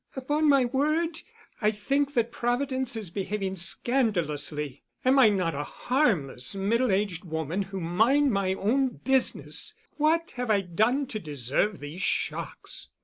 "Upon my word, I think that Providence is behaving scandalously. Am I not a harmless middle aged woman who mind my own business; what have I done to deserve these shocks?"